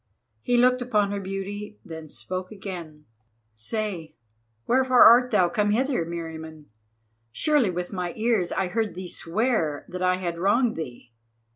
He looked upon her beauty, then spoke again: "Say, wherefore art thou come hither, Meriamun? Surely, with my ears I heard thee swear that I had wronged thee.